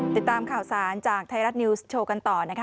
ติดตามข่าวสารจากไทยรัฐนิวส์โชว์กันต่อนะคะ